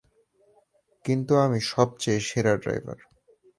কিন্তু, আমি সবথেকে সেরা ড্রাইভার।